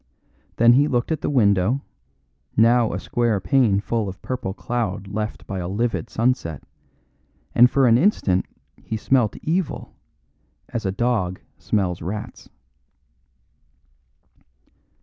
Then he looked at the window, now a square pane full of purple cloud cleft by livid sunset, and for an instant he smelt evil as a dog smells rats.